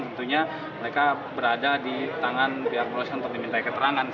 tentunya mereka berada di tangan pihak kepolisian untuk diminta keterangan